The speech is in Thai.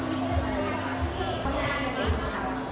ท้องมือค่ะ